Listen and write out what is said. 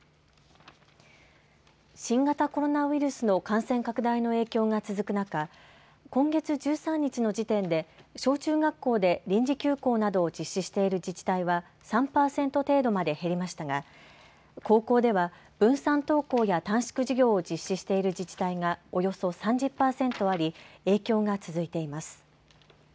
新型コロナウイルスの感染拡大の影響が続く中、今月１３日の時点で小中学校で臨時休校などを実施している自治体は３％程度まで減りましたが高校では分散登校や短縮授業を実施している自治体がおよそ３０％あり影響が続いています。